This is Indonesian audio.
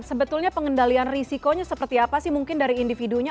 sebetulnya pengendalian risikonya seperti apa sih mungkin dari individunya